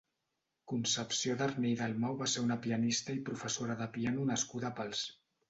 Concepció Darné i Dalmau va ser una pianista i professora de piano nascuda a Pals.